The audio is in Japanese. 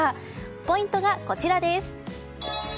ポイントがこちらです。